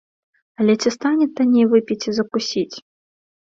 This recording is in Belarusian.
Але ці стане танней выпіць і закусіць?